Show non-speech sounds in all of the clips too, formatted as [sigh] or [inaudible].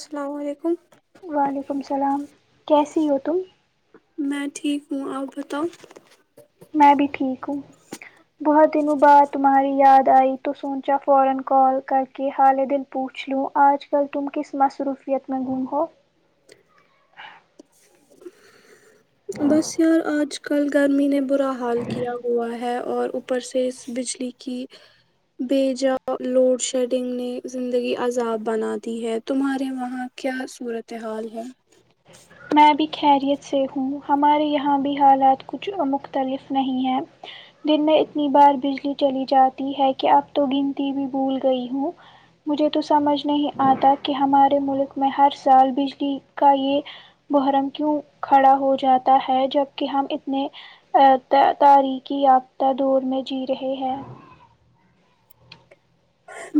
السلام علیکم وعلیکم السلام کیسی ہو تم میں ٹھیک ہوں آپ بتاؤ میں بھی ٹھیک ہوں بہت دنوں بعد تمہاری یاد آئی تو سوچا فورن کال کر کے حالے دن پوچھ لوں آج کل تم کس مصروفیت میں گم ہو بس یار آج کل گرمی نے برا حال کیا ہوا ہے اور اوپر سے اس بجلی کہ بےجاؤ لوڈ شیڈنگ نے زندگی عذاب بنا دی ہے تمہارے وہاں کیا صورت حال ہے میں بھی خیریت سے ہوں ہمارے یہاں بھی حالات کچھ مختلف نہیں ہیں دن میں اتنی بار بجلی چلی جاتی ہے کہ اب تو گنتی بھی بھول گئی ہوں مجھے تو سمجھ نہیں آتا کہ ہمارے ملک میں ہر سال بجلی کا یہ محرم کیوں کھڑا ہو جاتا ہے جبکہ ہم اتنے تاریخی یافتہ دور میں جی رہے ہیں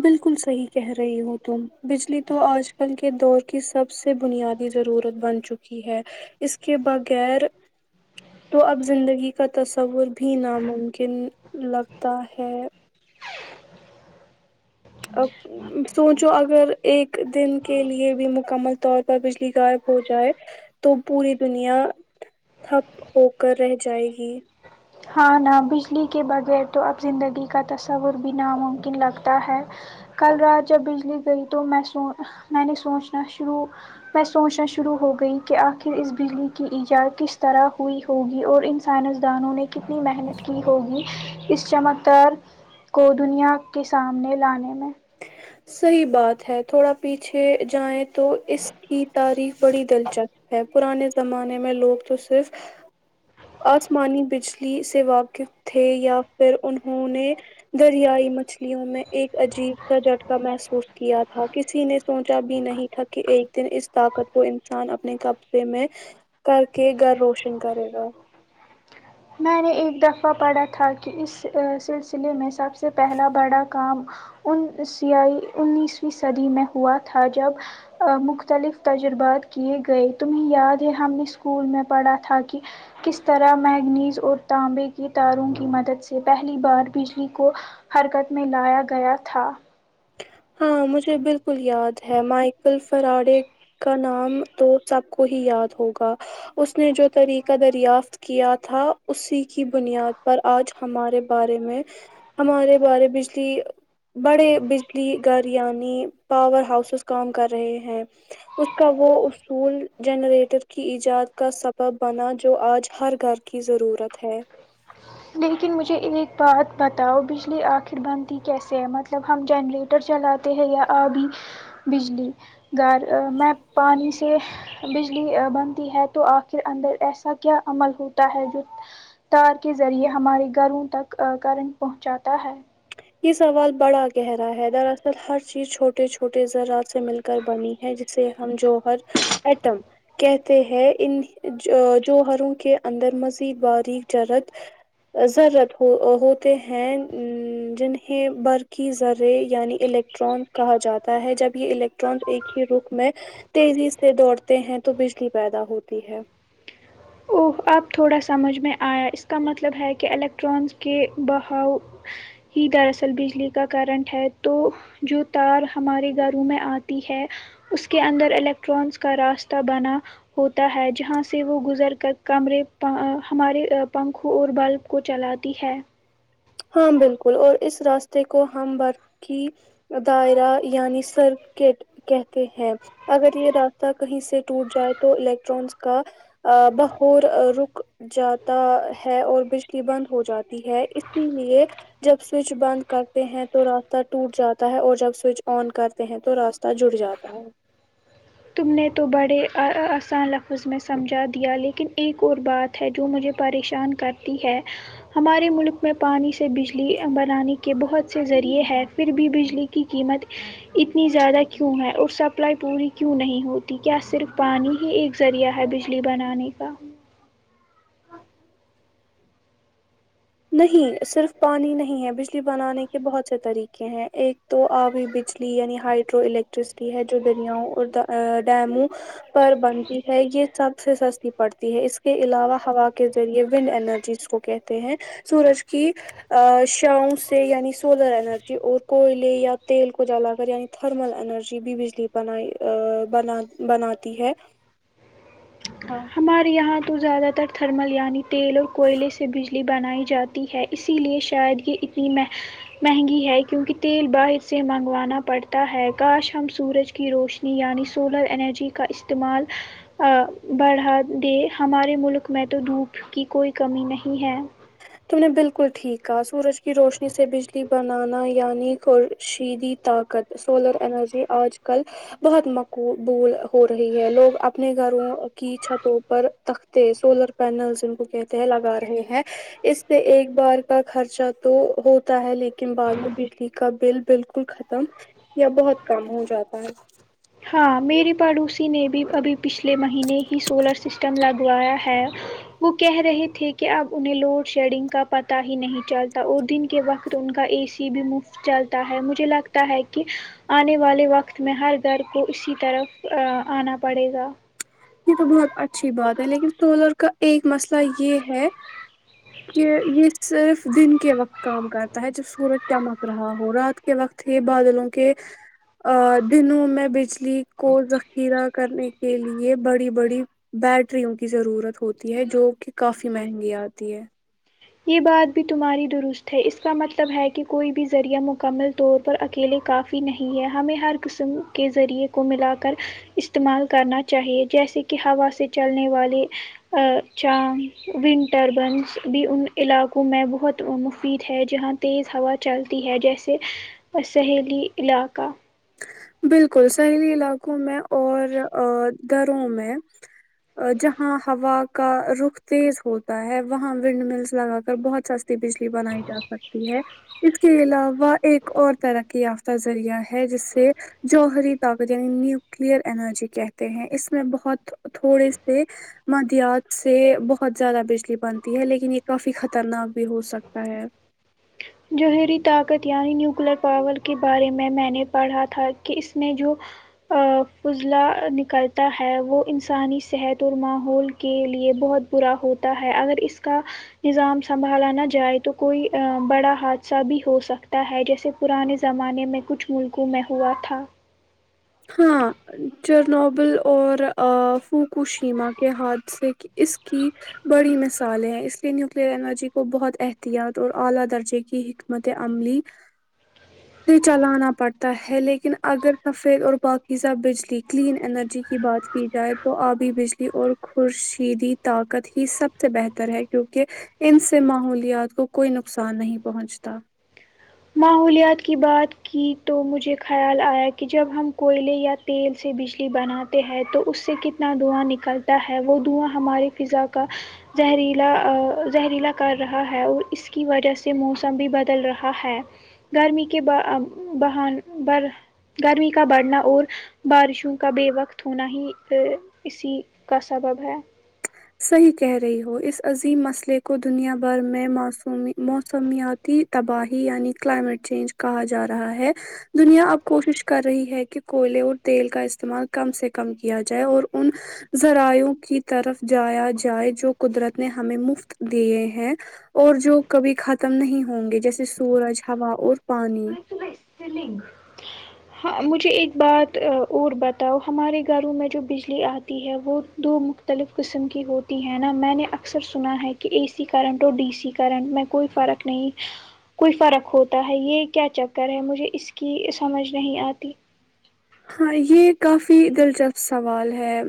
بالکل صحیح کہہ رہی ہو تم بجلی تو آج کل کے دور کی سب سے بنیادی ضرورت بن چکی ہے اس کے بغیر تو اب زندگی کا تصور بھی ناممکن لگتا ہے سوچو اگر ایک دن کے لیے بھی مکمل طور بجلی غائب ہو جائے تو پوری دنیا تھپ ہو کر رہ جائے گی ہاں نہا بجلی کے بغیر تو اب زندگی کا تصور بھی ناممکن لگتا ہے کل رات جب بجلی گئی تو میں سو میں نے سوچنا شروع میں سوچنا شروع ہو گئی کہ آخر اس بجلی کی ایجاد کس طرح ہوئی ہوگی اور ان سائنسدانوں نے کتنی محنت کی ہوگی اس چمکدار کو دنیا کے سامنے لانے میں صحیح بات ہے تھوڑا پیچھے جائیں تو اس کی تاریخ بڑی دلچسپ ہے پرانے زمانے میں لوگ تو صرف آسمانی بجلی سے واقف تھے یا پھر انہوں نے دریائی مچھلیوں میں ایک عجیب سا جٹک محسوس کیا تھا کسی نے سوچا بھی نہیں تھا کہ ایک دن اس طاقت کو انسان اپنے گپ سے میں کر کے گھر روشن کرے گا میں نے ایک دفعہ پڑھا تھا کہ اس سلسلے میں سب سے پہلا بڑا کام ان سیا انیسویں صدی میں ہوا تھا جب مختلف تجربات کیے گئے تمہیں یاد ہے ہم نے اسکول میں پڑھا تھا کہ کس طرح میگنیز اور تانبے کے تاروں کی مدد سے پہلی بار بجلی کو حرکت میں لایا گیا تھا ہاں مجھے بالکل یاد ہے مائیکل فراڈے کا نام تو سب کو ہی یاد ہوگا اس نے جو طریقہ دریافت کیا تھا اسی کی بنیاد پر آج ہمارے بارے میں ہمارے بارے بجلی بڑے بج گھر یعنی پاور ہاؤسز کام کر رہے ہیں اس کا وہ اصول جنریٹر کی ایجاد کا سبب بنا جو آج ہر گھر کی ضرورت ہے لیکن مجھے ایک بات بتاؤ بجلی آخر بندھی کیسے ہے مطلب ہم جنریٹ موٹر چلاتے ہیں یا ابھی بجلی گھر میں پانی سے بجلی بنتی ہے تو آخر اندر ایسا کیا عمل ہوتا ہے جو تار کے ذریعے ہمارے گھروں تک کرنٹ پہنچاتا ہے یہ سوال بڑا گہرا ہے دراصل ہر چیز چھوٹے چھوٹے ذرات سے مل کر بنی ہے جس سے ہم جوہر ایٹم کہتے ہیں ان جوہروں کے اندر مزید باریک جرات ضرورت ہو ہوتے ہیں ا جنہیں بر کی ذرے یعنی الیکٹران کہا جاتا ہے جب یہ الٹ ایک ہی رخ میں تیزی سے دوڑتے ہیں تو بجلی پیدا ہوتی ہے اوہ آپ تھوڑا سمجھ میں آیا اس کا مطلب ہے کہ الیکٹرانز کے بہاؤ ہی دراصل بجلی کا کرنٹ ہے تو جو تار ہمارے گھروں میں آتی ہے اس کے اندر الیکٹرانز کا راستہ بنا ہوتا ہے جہاں سے وہ گزر کمرے ہمارے پنکھوں اور بلب کو چلاتی ہے ہاں بالکل اور اس راستے کو ہم برف کی دائرہ یعنی سرکٹ کہتے ہیں اگر یہ راستہ کہیں سے ٹوٹ جائے تو الیکٹرانز کا بہور رک جاتا ہے اور بجلی بند ہو جاتی ہے اس جی ایک جب سوئچ بند کرتے ہیں تو راستہ ٹوٹ جاتا ہے اور جب سوئچ آن کرتے ہیں تو را جڑ جاتا ہے تم نے تو بڑے آسان لفظ میں سمجھا دیا لیکن ایک اور بات ہے جو مجھے پریشان کرتی ہے ہمارے ملک میں پانی سے بجلی بنانے کے بہت سے ذریعے ہے پھر بھی بجلی کی قیمت اتنی زیادہ کیوں ہے اور سپلائی پوری کی کیوں نہیں ہوتی کیا صرف پانی ہی ایک ذریعہ ہے بجلی بنانے کا نہیں صرف پانی نہیں ہے بجلی بنانے کے بہت سے طریقے ہیں ایک تو آبھی بجلی یعنی ہائڈرو الیکٹریسٹی ہے جو دریاؤں اور ڈیموں پر بنتی ہے یہ سب سے سستی پڑتی ہے اس کے علاوہ ہوا کے ذریعے ونڈ انرجی کو کہتے ہیں سورج کی ا شام سے یعنی سولر اینرجی اور کوئلے یا تیل کو جلا کر یعنی تھرمل انرجی بھی بجلی بنائی بنا بناتی ہے ہاں ہمارے یہاں تو زیادہ تر تھرمل یعنی تیل اور کوئلے سے بجلی بنائی جاتی ہے اسی لیے شاید یہ اتنی مح مہنگی ہے کیونکہ تیل باہر سے منگوانا پڑتا ہے کاش ہم سورج کی روشنی یعنی سولر انرجی کا استعمال بڑھا دے ہمارے ملک میں تو دھوپ کی کوئی کمی نہیں ہے تم نے بالکل ٹھیک کہا سورج کی روشنی سے بجلی بنانا یعنی کو شیدی طاقت سولر انرجی آج کل بہت مقبول ہو رہی ہے لوگ اپنے گھروں کی چھتوں پر تخ سولر پینلز ان کو کہتے ہیں لگا رہے ہیں اس سے ایک بار کا خرچہ تو ہوتا ہے لیکن بعد میں بجلی کا بل بالکل ختم یا بہت کم ہو جاتا ہے ہاں میری پڑوسی نے بھی ابھی پچھلے مہینے ہی سولر سسٹم لاگوایا ہے وہ کہہ رہے تھے کہ اب انہیں لوڈ شیڈنگ کا پتہ ہی نہیں چلتا اور دن کے وقت ان کا اے بھی مفت چلتا ہے مجھے لگتا ہے کہ آنے والے وقت میں ہر سر کو اسی طرف آنا پڑے گا یہ تو بہت اچھی بات ہے لیکن کالر کا ایک مسئلہ یہ ہے کہ یہ صرف دن کے وقت کام کرتا ہے جب سورج چمک رہا ہو رات کے وقت ہی بادلوں کے دنوں میں بج لیگ کو ذخیرہ کرنے کے لیے یہ بڑی بڑی بیٹریوں کی ضرورت ہوتی ہے جو کہ کافی مہنگی آتی ہے یہ بات بھی تمہاری درست ہے اس کا مطلب ہے کہ کوئی بھی ذریعہ مکمل طور پر اکیلے کافی نہیں ہیں ہمیں ہر قسم کے ذریعے کو ملا کر استعمال کرنا چاہیے جیسے کہ ہوا سے چلنے والے چا ونٹر بنس بھی ان علاقوں میں بہت مفید ہے جہاں تیز ہوا چلتی ہے جیسے اور سہیلی علاقہ بالکل سہری علاقوں میں اور دروں میں جہاں ہوا کا رخ تیز ہوتا ہے وہاں ونڈ ملس لگا کر بہت س بجلی بنائی جا سکتی ہے اس کے علاوہ ایک اور ترقی یافتہ ذریع ہے جسے جوہری طاقت یعنی نیوکلیئر انرجی کہتے ہیں اس میں بہت تھوڑے سے مدیات سے بہت زیادہ بجلی بنتی ہے لیکن یہ کافی خطرناک بھی ہو سکتا ہے جوہری طاقت یعنی نیوکلر پاور کے بارے میں میں نے پڑھا تھا کہ اس میں جو فضلہ نکلتا ہے وہ انسانی صحت اور ماحول کے لیے بہت پا ہوتا ہے اگر اس کا نظام سنبھالا نہ جائے تو کوئی بڑا حادثہ بھی ہو سکتا ہے جیسے پرانے زمانے میں کچھ ملکوں میں ہوا تھا ہاں جر نوبل اور فوکو شیما کے ہاتسے اس کی بڑی مثالیں ہیں اس لیے نیوکلئر انرجی کو بہت احتیاط اور اعلی درجے کی حکمت عملی ج بھی چلانا پڑتا ہے لیکن اگر پ اور باقی سا بجلی کلین انرجی کی بات کی جائے تو ابھی بجلی اور خورشیدی طاقت ہی سب سے بہتر ہے کیونکہ ان سے ماحولیات کو کوئی نقصان نہیں پہنچتا ماحولیات کی بات کی تو مجھے خیال آیا کہ جب ہم کوئلے یا تیل سے بجلی بنا ہیں تو اس سے کتنا دھواں نکلتا ہے وہ دھواں ہماری فضا کا زہریلا زہریلا کر رہا ہے اور اس کی وجہ سے موسم بھی بدل رہا ہے گرمی کے بان گرمی کا بڑھنا اور بارشوں کا بے وقت ہونا ہی اسی کا سبب ہے صحیح کہہ رہی ہو اس عظیم مسئلے کو دنیا بھر میں مسمی موسمیاتی تباہی یعنی کلائمیٹ چینج کہا جا رہا ہے دنیا اب کوشش کر رہی ہے کہ کوئلے اور تیل کا استعمال کم سے کم کیا جائے اور ان ذراائوں کی طرف جایا جائے جو قدرت نے ہمیں مفت دیے ہیں اور جو کبھی ختم نہیں ہوں گے جیسے سورج ہوا اور پانی [unintelligible] ناقاب لفہم مجھے ایک بات اور بتاؤ ہمارے گھروں میں جو بجلی آتی ہے وہ دو م مختلف قسم کی ہوتی ہے نا میں نے اکثر سنا ہے کہ اے سی کرنٹ اور ڈی سی کرنٹ میں کوئی فرق نہیں کوئی فرق ہوتا ہے یہ کیا چکر ہے مجھے اس کی سمجھ نہیں آتی ہاں یہ کافی دلچسپ سوال ہے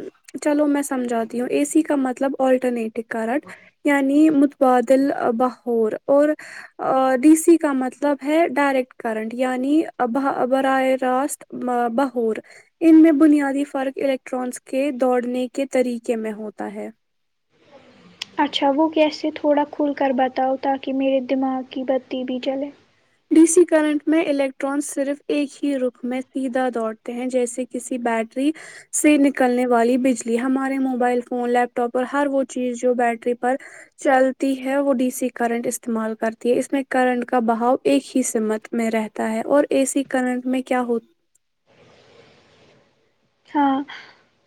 چلو میں سمجھاتی ہوں اے سی کا مطلب آٹرنیٹ کرارٹ یعنی متبادل باہور اور ڈی سی کا مطلب ہے ڈائریکٹ کرنٹ یعنی ب براہ راست بہ اور ان میں بنیادی فرق الیکٹرانس کے دوڑنے کے طریقے میں ہوتا ہے اچھا وہ کیسے تھوڑا کھل کر بتاؤ تاکہ میرے دماغ کی بتی بھی جلے ڈی سی کرنٹ میں الیکٹران صرف ایک ہی رخ میں سیدھا دوڑتے ہیں جیسے کہ کسی بیٹری سے نکلنے والی بجلی ہمارے موبائل فون لیپ ٹاپ اور ہر وہ چیز جو بیٹری پر چلتی ہے وہ ڈی سی کرنٹ استعمال کرتی ہے اس میں کرنٹ کا بہاؤ ایک ہی سمت میں رہتا ہے اور اے سی کرنٹ میں کیا ہوتا ہاں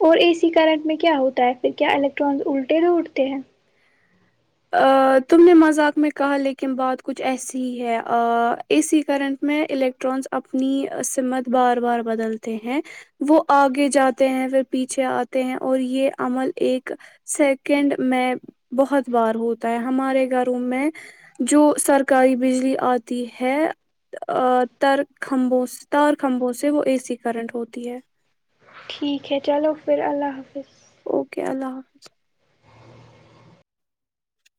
اور اے سی کرنٹ میں کیا ہوتا ہے پھر کیا الیکٹرانس الٹے دوڑ تے ہیں آ تم نے مذاق میں کہا لیکن بات کچھ ایسی ہی ہے آ اے سی کرنٹ میں الیکٹرانس اپنی سمت بار بار بدلتے ہیں وہ آگے جاتے ہیں پھر پیچھے آتے ہیں اور یہ عمل ایک سیکنڈ میں بہت بار ہوتا ہے ہمارے گھروں میں جو سرکاری بجلی آتی ہے اہ تر کمبوں سے تار کھمبوں سے وہ اے سی کرنٹ ہوتی ہے ٹھیک ہے چلو پھر اللہ حافظ اوکے اللہ حافظ